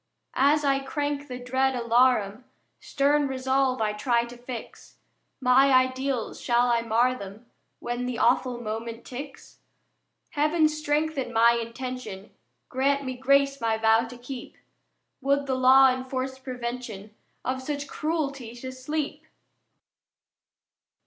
As I crank the dread alarum Stern resolve I try to fix: My ideals, shall I mar 'em When the awful moment ticks? Heaven strengthen my intention, Grant me grace my vow to keep: Would the law enforced Prevention Of such Cruelty to Sleep!